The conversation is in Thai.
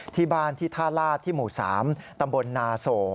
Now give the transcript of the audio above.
ที่บ้านที่ท่าลาศที่หมู่๓ตำบลนาโส